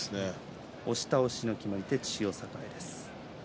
押し倒しの決まり手千代栄です。